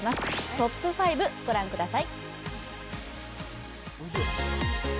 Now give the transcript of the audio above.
トップ５、御覧ください。